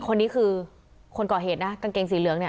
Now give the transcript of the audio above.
คนนี้คือคนก่อเหตุนะกางเกงสีเหลืองเนี่ย